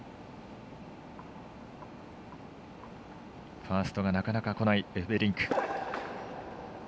ファーストがなかなかこないエフベリンク。